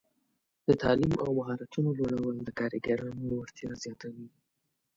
د تعلیم او مهارتونو لوړول د کارګرانو وړتیا زیاتوي.